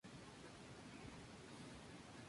El tiempo de floración es de noviembre a diciembre.